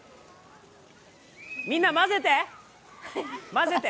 みんな、混ぜて！